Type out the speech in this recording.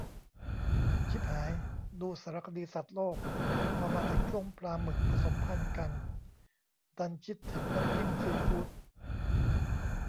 ชิบหาย ! ดูสารคดีสัตว์โลก พอมาถึงช่วงปลาหมึกผสมพันธุ์กัน ดันคิดถึงน้ำจิ้มซีฟู๊ด !